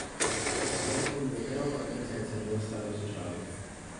Spesso convive però con la presenza di uno stato sociale.